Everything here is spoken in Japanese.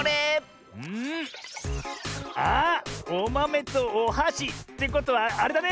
おまめとおはし。ってことはあれだね。